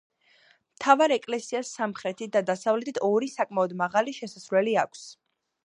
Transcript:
მთავარ ეკლესიას სამხრეთით და დასავლეთით, ორი საკმაოდ მაღალი შესასვლელი აქვს.